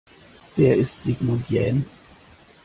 Wer ist Sigmund Jähn?